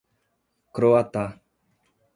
Croatá